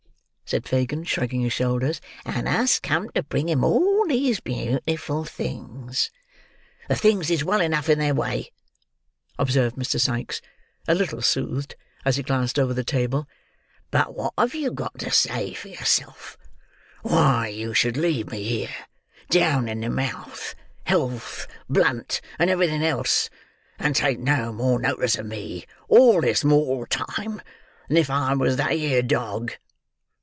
said Fagin, shrugging his shoulders. "And us come to bring him all these beau ti ful things." "The things is well enough in their way," observed Mr. Sikes: a little soothed as he glanced over the table; "but what have you got to say for yourself, why you should leave me here, down in the mouth, health, blunt, and everything else; and take no more notice of me, all this mortal time, than if I was that 'ere dog.